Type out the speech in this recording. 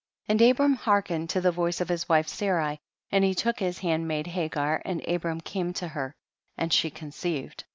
28. And Abram hearkened to the voice of his wife Sarai, and he took his handmaid Hagar and Abram came to her and she conceived.